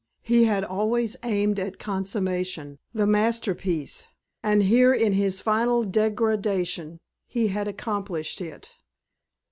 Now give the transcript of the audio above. He had always aimed at consummation, the masterpiece; and here, in his final degradation, he had accomplished it.